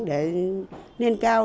để lên cao